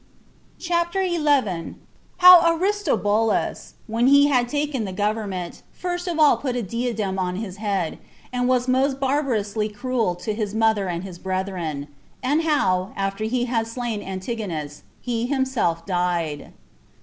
CHAPTER 11. How Aristobulus, When He Had Taken The Government First Of All Put A Diadem On His Head, And Was Most Barbarously Cruel To His Mother And His Brethren; And How, After He Had Slain Antigonus, He Himself Died.